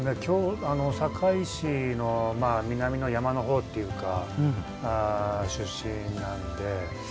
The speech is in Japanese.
堺市の南の山の方っていうか出身なので。